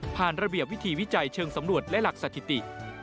ระเบียบวิธีวิจัยเชิงสำรวจและหลักสถิติ